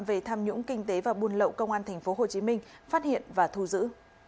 về tham nhũng kinh tế và buôn lậu công an tp hcm phát hiện và thu giữ